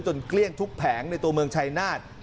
เกลี้ยงทุกแผงในตัวเมืองชายนาฏ